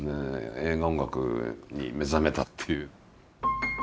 映画音楽に目覚めたっていう。